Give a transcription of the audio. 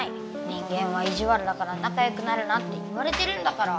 「人間はイジワルだからなかよくなるな」って言われてるんだから。